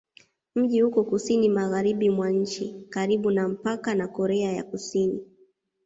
Mji uko kusini-magharibi mwa nchi, karibu na mpaka na Korea ya Kusini.